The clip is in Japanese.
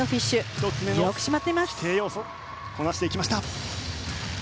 １つ目の規定要素をこなしていきました。